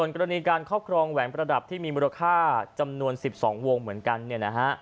กรณีการครอบครองแหวนประธาตุที่มีมูลค่า๑๒วงเหมือนกัน